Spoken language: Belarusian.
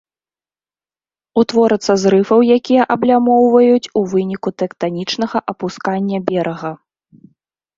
Утворацца з рыфаў, якія аблямоўваюць, у выніку тэктанічнага апускання берага.